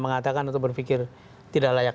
mengatakan atau berpikir tidak layak